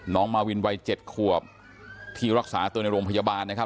มาวินวัย๗ขวบที่รักษาตัวในโรงพยาบาลนะครับ